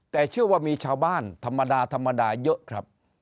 แต่เชื่อว่ามีชาวบ้านธรรมดาธรรมดาเยอะครับ